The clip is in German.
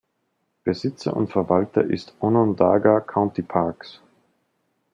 Besitzer und Verwalter ist Onondaga County Parks.